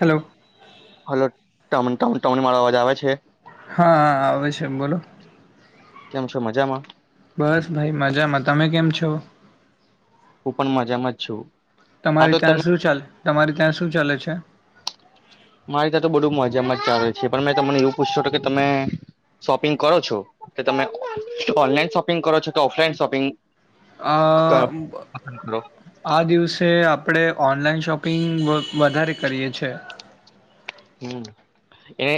Hello hello. Town, town, town, મારો અવાજ આવે છે. હા, આવે છે, એમ બોલો. કેમ છો, મજામાં? બસ ભાઈ, મજામાં. તમે કેમ છો? હું પણ, મજામાં જ છું. હા તમારી તો ત્યાં તમે શું ચાલતું છે? તમારી ત્યાં શું ચાલે છે? મારી ત્યાં તો બધુ મજામાં જ ચાલે છે, પણ મે તમને એવું પૂછતો કે તમે શોપિંગ કરો છો કે તમે ઓનલાઈન શોપિંગ કરો છો કે ઓફલાઈન શોપિંગ? અ કરો આ દિવસે આપણે ઓનલાઈનશોપિંગ પિંન વધારે કરીએ છે. હમ, એને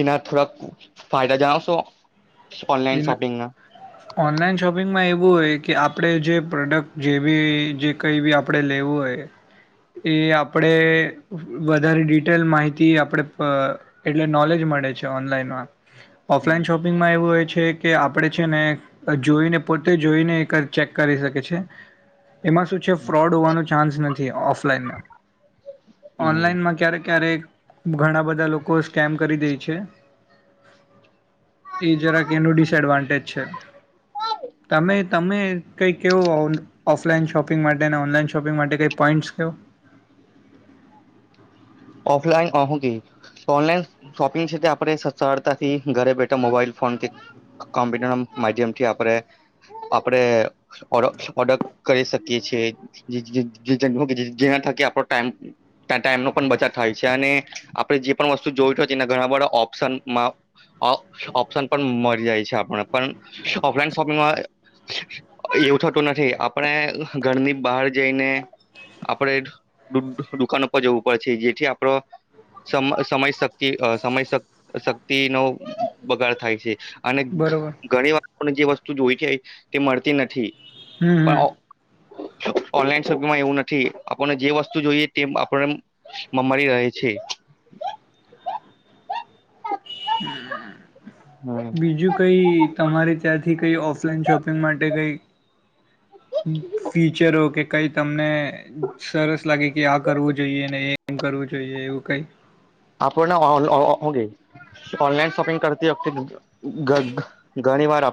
એના થોડાક ફાયદા જણાવશો? ઓનલાઈન શોપિંગના ઓનલાઈન શોપિંગમાં એવું. એવું હોય કે, આપણે જે પ્રોડક્ટ જે બી જે કઈ બી આપણે લેવું હોય, એ આપણે વધારે ડિટેલ માહિતી આપણે એટલે નોલેજ મળે છે ઓનલાઈનમાં ઓફલાઈન શોપિંગમાં એવું હોય છે. છે કે, આપણે છે ને જોઈને પોતે જોઈને એક ચેક કરી શકે છે. એમાં શું છે, ફ્રોડ હોવાનો ચાન્સ નથી ઓફલાઈનમાં, હમ ઓનલાઈનમાં ક્યારે-ક્યારેક ઘણા બધા લોકો સ્કેમ કરી દે છે, એ જરા એ ડિસડવાન્ટેજ છે. તમે તમે કઈ કેવો, ઓફલાઈન શોપિંગ માટે ઓનલાન શોપિંગ માટે કઈ પોઈન્ટ કેવો? ઓફલાઈન ઓનલાઈન શોપિંગ છે, તે આપણે સરળતાથી ઘરે બેઠા મોબાઈલ ફોન કે કમ્પ્યુટર ના માધ્યમથી આપણે આપણે ઓર્ડર કરી શકીએ છીએ, જેના થકી આપ ટાઈમનો પણ બચી થાય છે, અને આપે જે પણ વસ્તુ જોય હોય એ ઘણા બધા ઓપ્શન ઓપ્શન પણ મળી જાય છે. આપ પણ ઓફલાઈન શોપિંગમાં એવું થતું નથી, આપણે ઘરની બહાર જઈને આપણે દુકાનો પર જવું પડે. થી આપણો સમ સમય શક્તિ, સમય શક્તિ નો બગાડ થાય છે. અને બરોબર ઘણી વાર જે વસ્તુ જોઈએ છે તે મળતી નથી. હમ, પણ હમ. ઓનલાઈન શોપિંગમાં એવું નથી, આપણને જે વસ્તુ જોઈએ તે આપણે મળી રહે છે. હમ. બીજું કઈ? તમારે ત્યાંથી કંઈ ઓફલાઈન શોપિંગ માટે કંઈ ફીચરો કે કંઈ તમને? સરસ લાગે કે આ કરવું જોઈએ ને એ એમ કરવું જોઈએ એવું કઈ આપણ ઓગ ઓનલાઈન શોપિંગ કરતી ઘણી વાર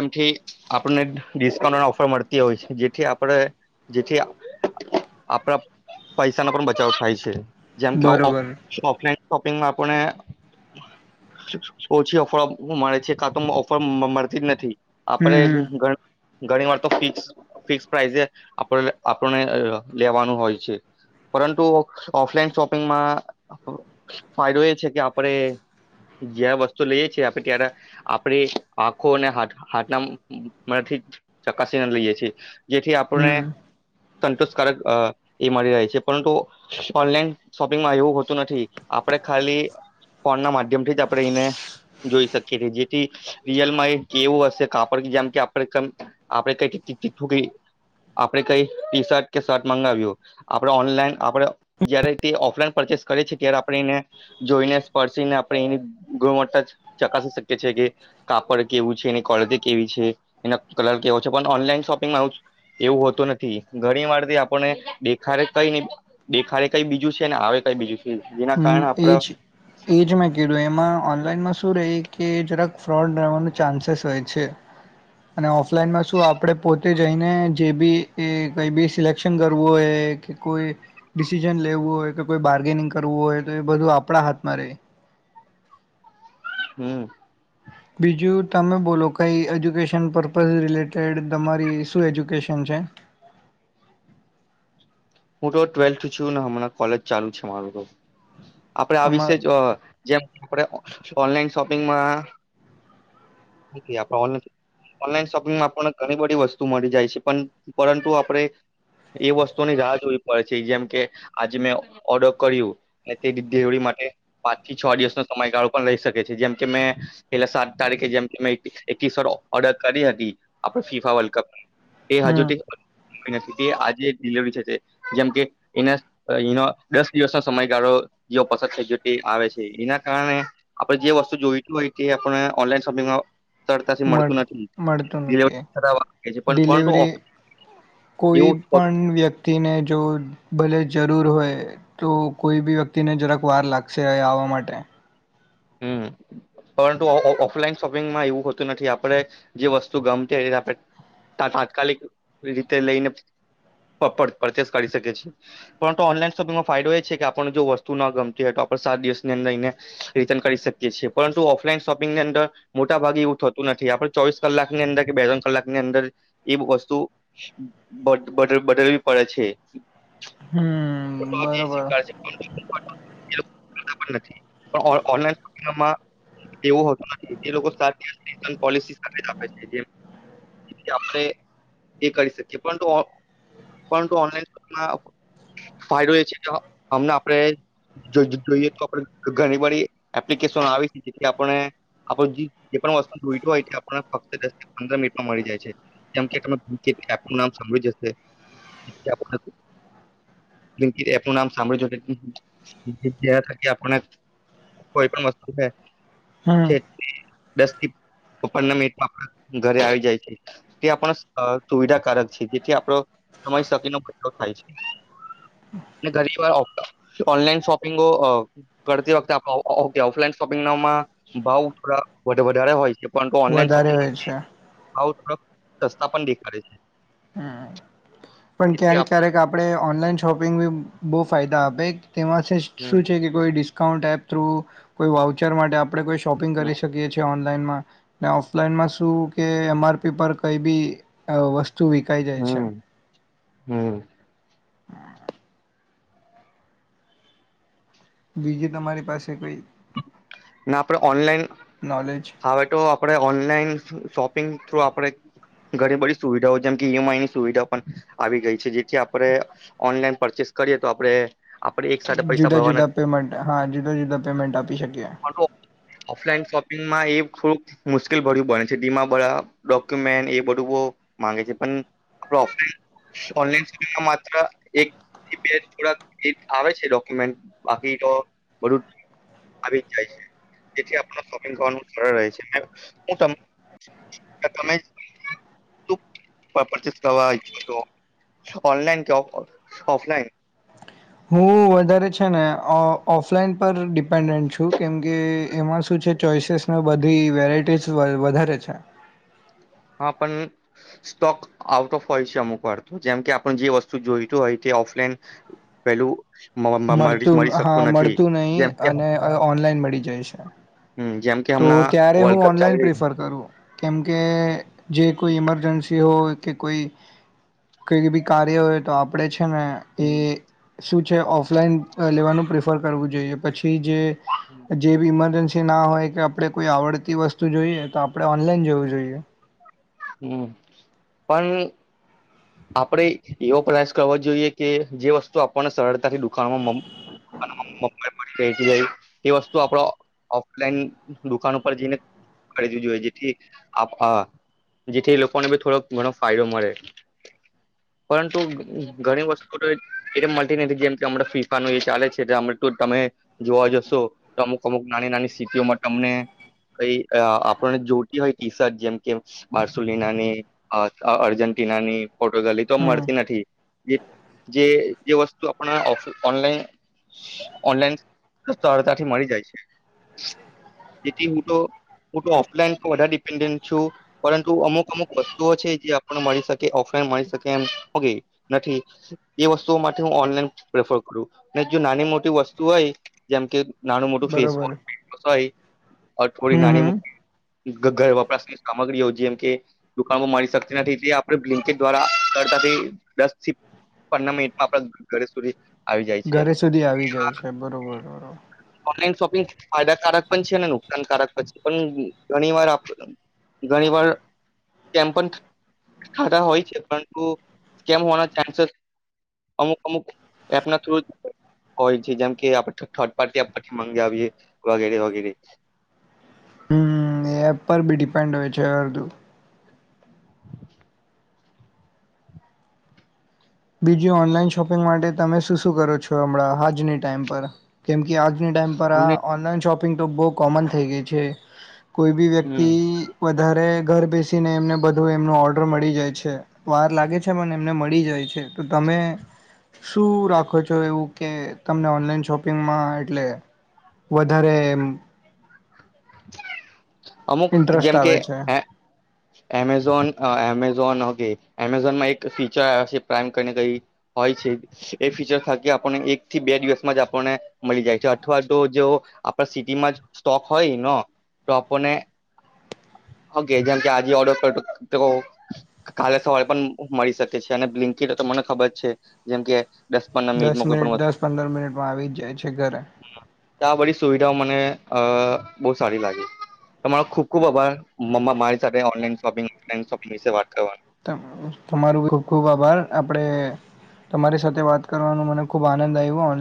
એથી આપિઉન્ટ ઓફર મળતી હોય છે જેથી આપ જેથી આપણા પસા બચાવ થાય છે જેમ બરોબર કેફલાઈન શોપિંગમાં આપને ઓછી ઓફર મળે છે કાં તો ઓફર મળતી જ નથી હમ હમ આપડેણ ઘણી વાર તો ફિક્સ ફિક્સ પ્રાઈસે આપ આપણને લેવાનું હોય છે પરંતુ ઓફલાઈન શોપિંગમાં ફાયદો એ છે કે આપણે જ્યા વસ્તુ લઈએ છીએ આપણે ત્યારે આપણે આખો અને હાથના મથી ચકાસીને લઈએ છી જેથી આપણે હમ સંતોષકારક એ મળી રહે છે પરંતુ ઓનલાઈન શોપિંગમાં એવું હોતું નથી આપણે ખાલી ફોન ના માધ્ય જેમ થી જ આપણે એને જોઈ શકીએ જેથી રયલમાં એવું હશે કાપડ જેમ કે આપ આપે કઈ આપે કઈ ટી શર્ટ કે શર્ટ મંગાવ્યું આપણે ઓનલાઈન આપણેે જયારે તે ઓફલાઈન પરચેસ કરીએ છેએ ત્યારે આપણે એને જોઈને સ્પર્શને આપણે એની ગુણવતા ચકાસી શકીએ છીએ કે કાપડ કેવું છે એની ક્વલિટી કેવી છે એના કલર કેવો છે પણ ઓનલાઈન શોપિંગ આવું એવું હોતું નથી ઘણી વારથી આપને ખ કઈ ન દેખા કઈ બીજું છે ને આવે કઈ બીજું છે જેના હ કારણે આપડે એજ એજ મેં કેું એમાં ઓફલાઈનમાં શું રહી કે જરાક ફ્રોડ રહેવાનો ચાન્સેસ હોય છે અને ઓફલાઈનમાં શું આપણે પોતે જઈને જે બી એ કઈ બી સિલેક્શન કરવું હોય કે કોઈ ડિસિજન લેવું હોય કે કોઈ બાર્ગેનિંગ કરવું હોય તો એ બધું આપણા હાથમાં ર હમ બીજું તમે બોલો કઈ એજ્યુકેશન પર્પઝ રિલેટેડ તમારી શું એજ્યુકેશન છે હું તો ટ્વેલ્થ છું ને હમણાં કોલેજ ચાલુ છે મારું તો આપડે આ તમા વિશે જ જેમ આપણે ઓનલાઈન શોપિંગમાં ઓનલાઈન શોપિંગમાં ઘણી બધી વસ્તુ મળી જાય છે પણ પરંતુ આપણે એ વસ્તુની રાહ જોવી પડે છે જેમકે આજે મેં ઓર્ડર કર્યું અને તે ડિલિવરી માટે પાંચ થી છ દિવસનો સમયગાળો પણ લઈ શકે છે જેમ કે મેં પેલા સાત તારીખે જેમ મે એકસ વ ઓર્ડર કરી હતી આપ ફીફા વર્લ્ડ કપ એ હજુથી હમ નથી તે આજે ડિલવરી છે તે જેમ કે એના એનો દસ દિવસ ના સમય પસંદ છે આવે છે એના કારણે આપણેે જે વસ્તુ જોઈ હોય તે આપ ઓનલાઈન શોપિંગમાં સરળતાથી મળ મળતું નથી મળતું નથી ડિલિવરી થતા વાર લાગે છે પણ પરંતુ ડિલિવરી કોઈ એવું પણ વ્યક્તિને જો ભલે જરૂર હોય તો કોઈ બી વ્યક્તિને જરાક વાર લાગશે આવવા માટે હમ પરંતુ ઓફલાઈન શોપિંગમાં એવું હોતું નથી આપણે જે વસ્તુ ગમતી હોય એ આપણે તાત્કાલિક રીતે લઈને પરચેસ કરી શકી છએ પરંતુ ઓનલાઈન શોપિંગમાં ફાયદો એ છે કે આપણ જો વસ્તુ ના ગમતી હોય તો આપ સાત દિવસની અંદર લઈને રિટર્ન કરી શકીએ છીએ પરંતુ ઓફલાઈન શોપિંગની અંદર મોટા ભાગે એવું થતું નથી આપડ ચોવીસ કલાકની અંદર કે બે ત્રણ કલાકની અંદર એ વસ્તુ બદલવી પડે છે હમ ફટ જે બરોબર સ્શે નથી પણ ઓલાપ એવો નથી છે કરી શકી ફાયદો અમને આપણે જોઈએ તો આપ ઘણી બ એપ્લિકેશ આવી જે આપણે આપ વસ્તુ જોઈ હોય આપને ફ પંદ મિનિટમાં મળી જાય છેમમ સાંભળી જશે લિ એનું નામ સાંભળ્યું થ આપણને કોઈ પણ વસ્તુ છે હમ છે દસ થી પંદર મિનિટમાં આપ ઘરે આવી જાય છે તે આપણ સુવિધાકારક છે જેથી આપડો સમય શકી નો બદલો થાય છે ઘરી વાર ઓનલાઈન શોપિંગો કરતી વખતે આપ ઓફલાઈન શોપિંગમાં ભાવ થોડા વધારે હોય છે પરંતુ ઓનલાઈન વધારે શોપિંગ હોય છે ભાવ સસ્તા પણ દેખાડે છે હમ પણ જેથી ક્યારેક આપ ક્યારેક આપડણે ઓનલાઈન શોપિંગ બી બહુ ફાયદા આપે તેમાંથી હમ શું છે કે કોઈ ડિસ્કાઉન્ટ એપ થ્રુ કોઈ વાઉચર માટે આપ આપણે કો શોપિંગ કરી શએ છીએ ઓનલાન ઓફલાઈનમાં શું કે એમ આરપી પર કઈ બી વસ્તુ શું વિકઈ જાય છે હમ બીજું તમારી પાસે કોઈ ના આપડે ઓનલાઈન નોલેજ હવે તો આપડે ઓનલાઈન શોપિંગ થ્રુ આપણે ઘણી બધી સુવિધાઓ જેમ કે ઈએમ આઈની સુવિધાઓ પણ આવી ગઈ છે જેથી આપણે ઓનલાઈન પરચેસ કરીએ તો આપણે આપણે એક સાથે પૈસા જુદા ભરવા જુદા નથી પેમેન્ટ હા જુદા જુદા પેમેન્ટ આપ આપી શક્યા ઓફલાઈન શોપિંગમાં એ થોડુંક મુશ્કેલ ભર્યું ભણે છે ડીમા ભરા ડોક્યુમેન્ટ એ બધું માંગે છે પણ આપ ઓનલાનોપ માત્ર એકથી બે થોક આવે છે ડોક્યુમેન્ટ બાકી તો બું આવી જ જાય છે તેથી આપોપિંગ સરચ કરવાઈછનલા કેફ હું વધારે છે ને ઓફલાઈન પર ડિપેન્ડન્ટ છું કેમકે એમાં શું છે ચોઈસીસ બધી વેરાયટીસ વધારે છે હા પણ સ્ટોક આઉટ ઓફ હોય છે અમુક વાર તો જેમ કે આપણ જે વસ્તુ જોઈતું હોય તે ઓફલાઈન પેલું મ મ મળી મળતું મળી હા શકતું નથી મળતું નહીિ જેમ કે અને ઓનલાઈન મળી જાયશે હમ જેમ કે તો હમણાં ત્યારે વર્લ્ડ હું કપ ચાલી ઓનલાઈન પ્રિફર કરું કેમ કે જે કોઈ એઇમરજન્સી હો કે કોઈ કઈ બી કાર્ય હોય તો આપણેે જ રહી શ છે ઓફલાઈન લેવાનું ઓફર કરવું જોઈએ પછી જે જેી ઇમરજન્સી પી ના હોય કે આપણે કોઈ આવડતી વસ્તુ જોઈએ તો આપણે ઓનલાઈન જોવું જોઈએ હમ પણ આપણેે એવો પ્રયાસ કરવો જોઈએ કે જે વસ્તુ આપને સરળતાથી દુનો એ વસ્તુ આપ ઓફલાઈન દુકાન ઉપર જઈને ખરીવી જોઈએ જેથી જેથી લોકોને બી થોડો ઘણો ફાયદો મળે પરંતુ ઘણી વસ્તુ તો એ મળતી નથી જેમ કેમણા ફીફાનું એ ચાલે છે તમે જોવા જશો અમુક અમુક નાની નાની સ્થિતિઓમાં તમને ક આપણને જોતી હોય ટી શર્ટ જેમ કે બાર્સોલનાની અર્જેન્ટિના ની ફોટો ગલી તોમ હમ મળતી નથી જે જે વસ્તુ આપ ઓનલાન ઓનલાનથી મળી જાય છે તેથી હું તો ઓફલાઈન વધારે [unintelligible] છું પરંતુ અમુક અમુક વસ્તુઓ છે જે આપને મળી શકે ઓફલાઈન મળી શકે [unintelligible] એમ નથી એ વસ્તુઓ માટે હું ઓનલાઈન પ્રેફર કરું જો નાની મોટી વસ્તુ હોય જેમકે નાનું મોટું [unintelligible] બરોબર થોડી હમ નાની હમ મોટી ઘ ઘર વપરાસની સામગ્રી યોજ જેમ કે દુકાનમાં મળી શકતી નથી તે આપણે [unintelligible] દ્વારા કરતા દસ થી પંદર મિનિટમાં આપણા ઘરે સુધી આવી જાય છે ઘરે સુધી આવી જાય છે બરોબરબર ઓનલાઈન ફાયદાકારક પણ છે નુકસાનકારક પણ છે પણ ઘણી વાર ઘણી વાર કેમ પણ થતા હોય છે પરંતુ સ્કેમ હોવાના [unintelligible] અમુક અમુક એપના થ્રુ જ હોય છે જેમ કે આપડે [unintelligible] પાર્ટી એપ પરથી [unintelligible] વગેરે વગેરે હમ એ એપર ભી ડિપેન્ડ હોય છે અરધું બીજું ઓનલાઈન શોપિંગ માટે તમે શું શું કરો છો હમણાં હાજની ટાઈમ પર કેમ આજની ટાઈમ પર આ અને ઓનલાઈન શોપિ તો બો કોમન થઈ ગઈ છે કોઈ ભી હમ વ્યક્તિ વધારે ઘર બેસીને એમને બધું એમનો ઓર્ડર મળી જાય છે વાર લાગે છે પણ એમને મળી જાય છે તો તમે શું રાખો છો એવું કે તમને ઓનલાઈન શોપિંગમાં એટલે વધારે એમ અમુક ઇન્ટરેસ્ટ જેમ કે આવે છે એ એમેઝોનમે એમે [unintelligible] એમેઝોનમાં એક ફીચર આવે છે પ્રાઈમ કઈને કઈ હોય છે એ ફીચર ખાકી આપને એક થી બે દિવસમાં જ આપણને મળી જાય છે અથવા તો જો આપણા સિટીમાં જ સ્ટોક હોયનો તો લોકોને [unintelligible] જેમકે આજે ઓર્ડર કાલે સવારે પણ મળી શકે છે અને [unintelligible] મને ખબર છે જેમકે દસ મિનિટ દસ પંદર મિનિટમાં આવી જ જાય છે ઘરે આ બધી સુવિધાઓ મને અ બો સારી લાગી તમારો ખુબ ખુબ આભાર મમ્મા મારી સાથે ઓનલાઈન શોપિંગ ઓલાઈન શોપિંગ વિશે વાત કરવા તમારું ખુબ ખુબ આભાર આપડે તમારી સાથે વાત કરવાનો મને ખુબ આનંદ આવ્યો ઓન